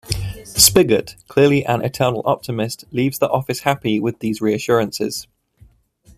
Spiggott, clearly an eternal optimist, leaves the office happy with these reassurances.